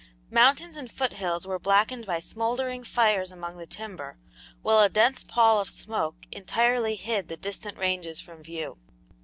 Mountains and foot hills were blackened by smouldering fires among the timber, while a dense pall of smoke entirely hid the distant ranges from view.